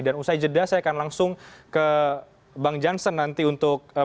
dan usai jeda saya akan langsung ke bang jansen nanti untuk